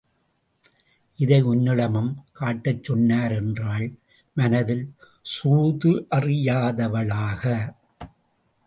இதை உன்னிடமும் காட்டச் சொன்னார் என்றாள், மனத்தில் சூதறியாதவளாக.